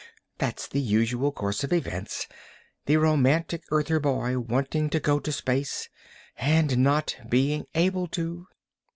That's the usual course of events the romantic Earther boy wanting to go to space, and not being able to."